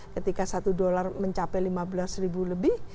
ketika satu dolar mencapai lima belas ribu lebih